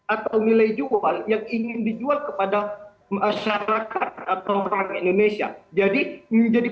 atau nilai jual yang ingin dijual kepada masyarakat atau orang indonesia jadi menjadi